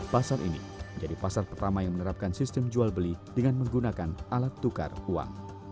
pasar ini menjadi pasar pertama yang menerapkan sistem jual beli dengan menggunakan alat tukar uang